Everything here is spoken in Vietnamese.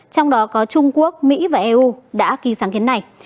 trong đó có trung quốc mỹ và eu đã ký sáng kiến này